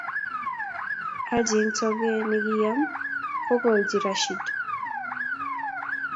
Haji eng togee ne kiyam kogololji Rashid.